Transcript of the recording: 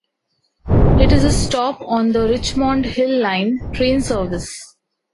It is a stop on the Richmond Hill line train service.